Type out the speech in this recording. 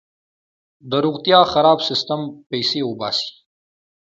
د روغتیا خراب سیستم پیسې وباسي.